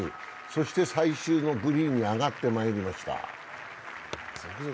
そして最終のグリーンに上がってまいりました。